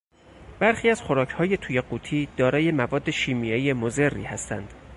برخی از خوراکهای توی قوطی دارای مواد شیمیایی مضری هستند.